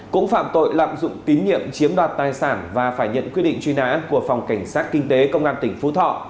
cũng phạm tội lạm dụng tín nhiệm chiếm đoạt tài sản và phải nhận quyết định truy nã của phòng cảnh sát kinh tế công an tỉnh phú thọ